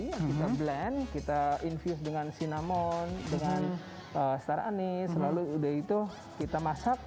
kita blend kita infuse dengan cinnamon dengan star anise lalu sudah itu kita masak